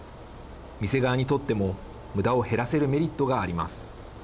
店側にとってもむだを減らせるメリットがあります。